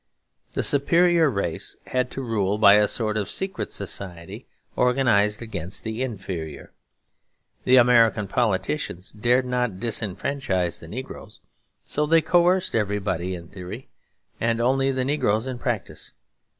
The superior race had to rule by a sort of secret society organised against the inferior. The American politicians dared not disfranchise the negroes; so they coerced everybody in theory and only the negroes in practice.